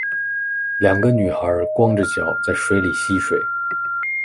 两个女孩光着脚在水里戏水